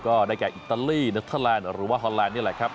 ก็ได้แก่อิตาลีเนอร์เทอร์แลนด์หรือว่าฮอนแลนด์นี่แหละครับ